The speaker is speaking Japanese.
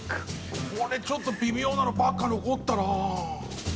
これちょっと微妙なのばっか残ったな。